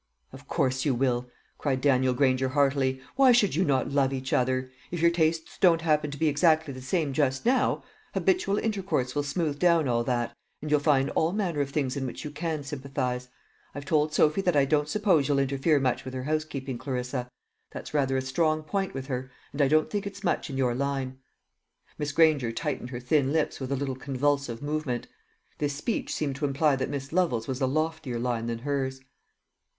"Of course you will," cried Daniel Granger heartily. "Why should you not love each other? If your tastes don't happen to be exactly the same just now, habitual intercourse will smooth down all that, and you'll find all manner of things in which you can sympathise. I've told Sophy that I don't suppose you'll interfere much with her housekeeping, Clarissa. That's rather a strong point with her, and I don't think it's much in your line." Miss Granger tightened her thin lips with a little convulsive movement. This speech seemed to imply that Miss Lovel's was a loftier line than hers.